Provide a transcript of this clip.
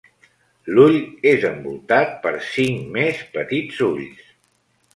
L'ull és envoltat per cinc més petits ulls.